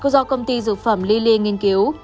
do công ty dược phẩm lilly nghiên cứu